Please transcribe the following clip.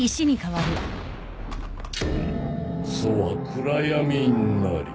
そは「暗闇」なり。